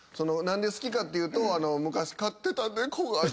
「何で好きかっていうと昔飼ってた猫が」